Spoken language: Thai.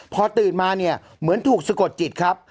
พอตื่นมาเนี่ยเหมือนถูกสะกดจิตครับ